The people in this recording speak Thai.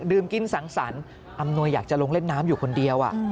กินสังสรรค์อำนวยอยากจะลงเล่นน้ำอยู่คนเดียว